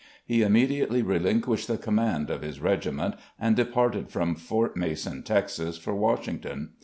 He immediately relinquished the command of his regiment, and departed from Fort Mason, Texas, for Washington.